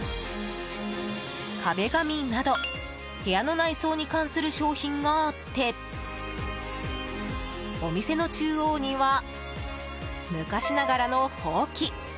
壁紙など、部屋の内装に関する商品があってお店の中央には昔ながらのほうき。